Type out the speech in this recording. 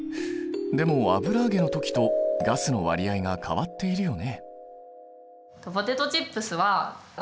でも油揚げの時とガスの割合が変わっているよね。